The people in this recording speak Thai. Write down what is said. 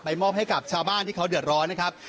มอบให้กับชาวบ้านที่เขาเดือดร้อนนะครับ